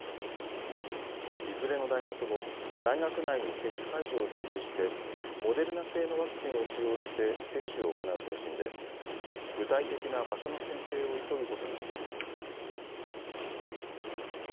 いずれの大学も大学内に接種会場を設置して、モデルナ製のワクチンを使用して接種を行う方針で、具体的な場所の選定を急ぐことにしています。